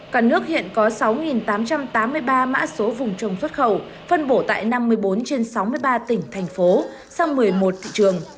cả nước hiện có sáu tám trăm tám mươi ba mã số vùng trồng xuất khẩu phân bổ tại năm mươi bốn trên sáu mươi ba tỉnh thành phố sang một mươi một thị trường